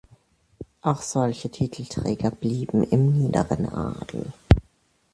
Auch solche Titelträger blieben im Niederen Adel.